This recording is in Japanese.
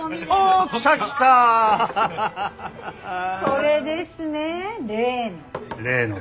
これですね例の。